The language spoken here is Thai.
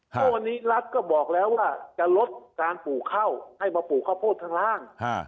เพราะวันนี้รัฐก็บอกแล้วว่าจะลดการปลูกข้าวให้มาปลูกข้าวโพดข้างล่าง